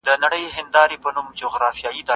آيا جغرافيايي موقعيت د ځان وژنې سبب کيږي؟